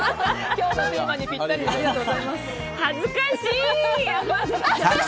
今日のテーマにぴったりでありがとうございます。